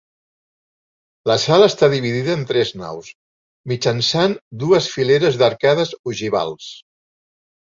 La sala està dividida en tres naus mitjançant dues fileres d'arcades ogivals.